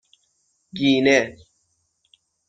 گینه